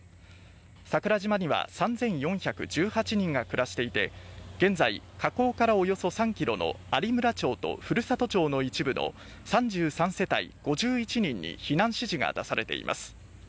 桜島には３４１８人が暮らしていて現在、火口からおよそ３ｋｍの有村町と古里町の一部の３３世帯５１人に避難指示が出されています。